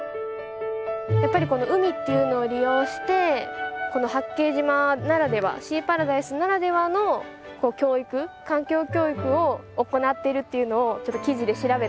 やっぱりこの海っていうのを利用してこの八景島ならではシーパラダイスならではの教育環境教育を行っているっていうのをちょっと記事で調べたんですけど。